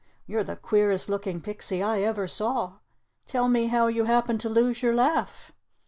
You're the queerest looking pixie I ever saw. Tell me how you happened to lose your laugh?"